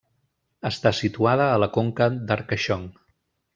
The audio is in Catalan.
Està situada a la conca d'Arcaishon.